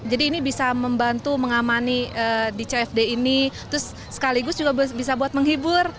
jadi ini bisa membantu mengamani di cfd ini terus sekaligus juga bisa buat menghibur